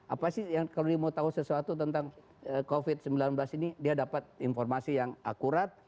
apa sih yang kalau dia mau tahu sesuatu tentang covid sembilan belas ini dia dapat informasi yang akurat